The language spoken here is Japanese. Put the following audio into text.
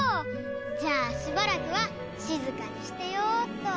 じゃあしばらくはしずかにしてようっと。